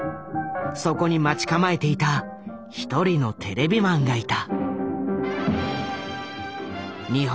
そこに待ち構えていた１人のテレビマンがいた。